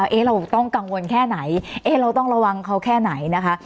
เอ๊ะเราต้องกังวลแค่ไหนเราต้องระวังเขาแค่ไหนนะคะ